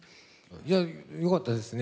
いやよかったですね。